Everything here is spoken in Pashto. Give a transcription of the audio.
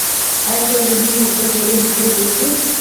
ایا ټول ژوندي موجودات له یوې حجرې جوړ دي